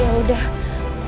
sekarang lo harus janji